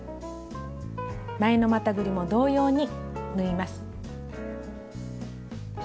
前のまたぐりも同様に縫います。